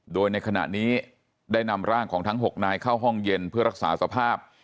โดยในขณะนี้ได้นำร่างของทั้ง๖นายเข้าห้องเย็นเพื่อรักษาสภาพ